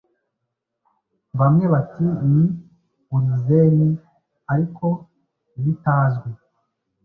Bamwe bati 'Ni Urizeni Ariko bitazwi,